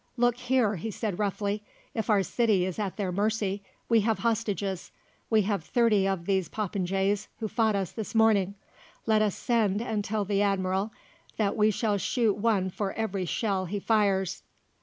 "Look here," he said roughly; "if our city is at their mercy, we have hostages. We have thirty of these popinjays who fought us this morning; let us send and tell the Admiral that we shall shoot one for every shell he fires."